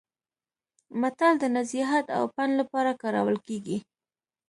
متل د نصيحت او پند لپاره کارول کیږي